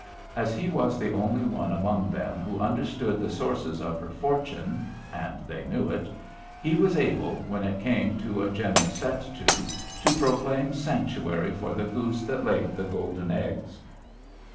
As he was the only one among them who understood the sources of her fortune, and they knew it, he was able, when it came to a general set to, to proclaim sanctuary for the goose that laid the golden eggs.